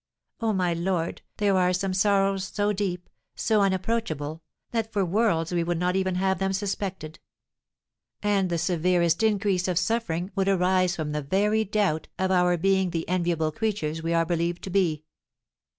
"Oh, my lord, there are some sorrows so deep, so unapproachable, that for worlds we would not even have them suspected; and the severest increase of suffering would arise from the very doubt of our being the enviable creatures we are believed to be."